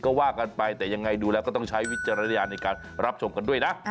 ก็ว่ากันไปแต่ยังไงดูแล้วก็ต้องใช้วิจารณญาณในการรับชมกันด้วยนะ